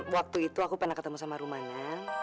waktu itu aku pernah ketemu sama rumana